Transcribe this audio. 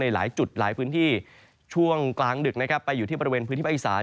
หลายจุดหลายพื้นที่ช่วงกลางดึกนะครับไปอยู่ที่บริเวณพื้นที่ภาคอีสาน